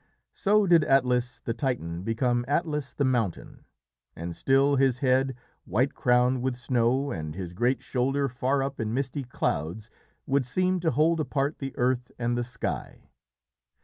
So did Atlas the Titan become Atlas the Mountain, and still his head, white crowned with snow, and his great shoulder far up in misty clouds, would seem to hold apart the earth and the sky.